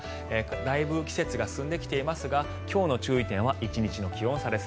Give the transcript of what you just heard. だいぶ季節が進んできていますが今日の注意点は１日の気温差です。